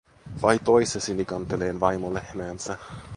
Vai toi se Sinikanteleen vaimo lehmäänsä.